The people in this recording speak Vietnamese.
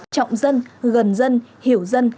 trọng dân gần dân hiểu dân